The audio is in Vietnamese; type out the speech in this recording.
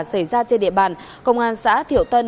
xảy ra trên địa bàn công an xã thiệu tân